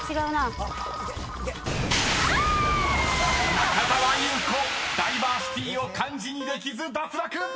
［中澤裕子「ダイバーシティ」を漢字にできず脱落！］